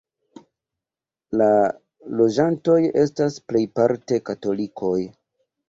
La loĝantoj estas plejparte katolikoj.